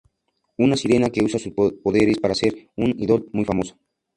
Una sirena que usa sus poderes para ser una idol muy famosa.